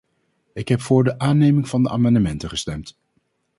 Ik heb voor de aanneming van de amendementen gestemd.